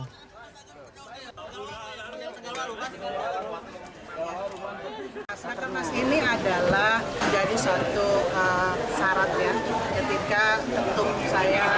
masa kertas ini adalah jadi suatu syaratnya ketika ketuk saya